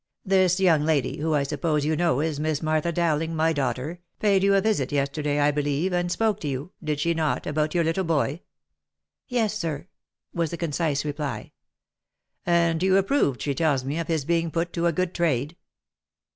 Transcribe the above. " This young lady, who I suppose you know is Miss Martha Dowling, my daughter, paid you a visit yesterday, I believe, and spoke to you, did she not, about your little boy?" " Yes, sir," was the concise reply. "And you approved, she tells me, of his= being put to a good trade."